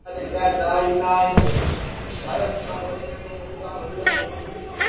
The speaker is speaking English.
This approach was used as a model for other educational cluster projects.